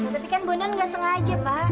tapi kan bodan gak sengaja pak